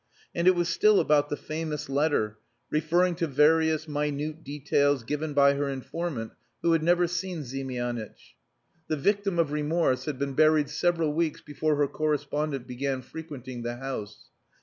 And it was still about the famous letter, referring to various minute details given by her informant, who had never seen Ziemianitch. The "victim of remorse" had been buried several weeks before her correspondent began frequenting the house.